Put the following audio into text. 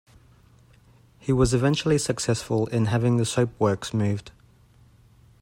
He was eventually successful in having the soap works moved.